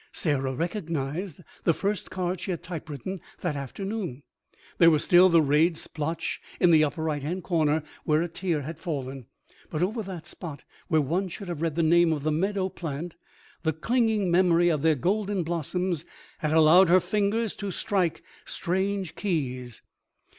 Sarah recognised the first card she had typewritten that afternoon. There was still the rayed splotch in the upper right hand corner where a tear had fallen. But over the spot where one should have read the name of the meadow plant, the clinging memory of their golden blossoms had allowed her fingers to strike strange keys.